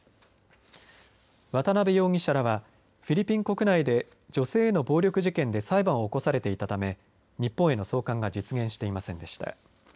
渡邉容疑者らはフィリピン国内で女性への暴力事件で裁判を起こされていたため日本への送還が実現していませんでした。